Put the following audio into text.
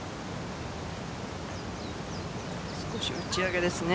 少し打ち上げですね。